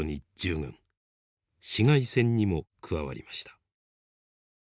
市街戦にも加わりました。